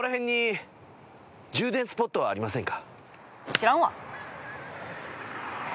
知らんわ！